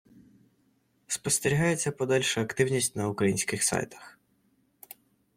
спостерігається подальша активність на українських сайтах